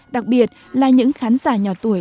đặc biệt là những khán giả nhỏ tuổi